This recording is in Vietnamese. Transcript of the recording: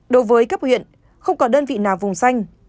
đối với cấp huyện không có đơn vị nào vùng xanh